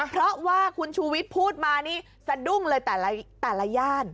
เพราะว่าคุณชูวิทย์พูดมานี่สะดุ้งเลยแต่ละย่าน